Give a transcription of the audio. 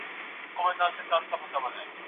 څېړنه په بشپړ بریالیتوب سره پای ته ورسېده.